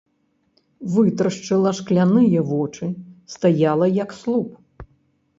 Вытрашчыла шкляныя вочы, стаяла як слуп.